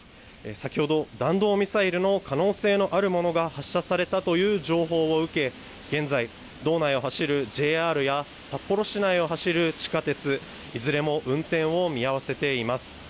先ほど、弾道ミサイルの可能性のあるものが発射されたという情報を受け、現在、道内を走るＪＲや札幌市内を走る地下鉄、いずれも運転を見合わせています。